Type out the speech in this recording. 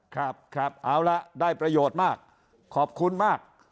ครับครับเอาละได้ประโยชน์มากขอบคุณมาก